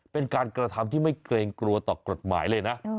เป็นการกระทำที่ไม่เกรงกลัวต่อกฎหมายเลยนะ